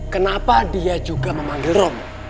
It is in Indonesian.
kenapa dia juga memanggil rom